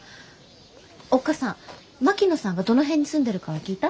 おっ母さん槙野さんがどの辺に住んでるかは聞いた？